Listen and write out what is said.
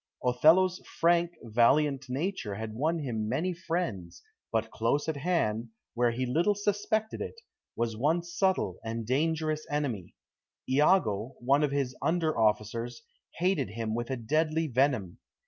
Othello's frank, valiant nature had won him many friends, but close at hand, where he little suspected it, was one subtle and dangerous enemy. Iago, one of his under officers, hated him with a deadly venom.